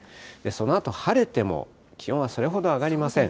そのあと晴れても気温はそれほど上がりません。